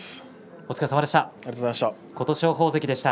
お疲れさまでした。